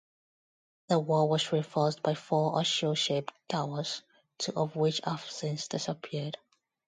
The wall was reinforced by four horseshoe-shaped towers, two of which have since disappeared.